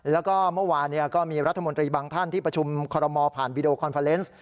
แล้วก็เมื่อวานก็มีรัฐมนตรีบางท่านที่ประชุมคอรมอลผ่านวีดีโอคอนเฟอร์เนส